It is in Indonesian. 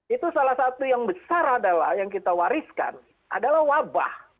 itu salah satu yang besar adalah yang kita wariskan adalah wabah